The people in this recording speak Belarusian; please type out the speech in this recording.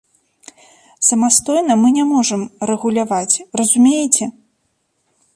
Самастойна мы не можам рэгуляваць, разумееце?